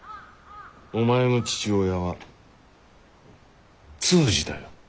お前の父親は通詞だよ。